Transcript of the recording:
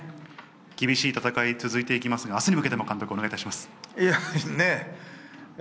厳しい戦い、続いていきますが、あすに向けて監督、お願いします。